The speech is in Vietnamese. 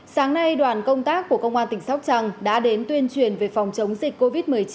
sáng nay đoàn công tác của công an tỉnh sóc trăng đã đến tuyên truyền về phòng chống dịch covid một mươi chín